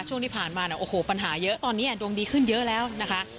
ช่วงที่ผ่านมาเนี่ยโอ้โหปัญหาเยอะตอนนี้ดวงดีขึ้นเยอะแล้วนะคะ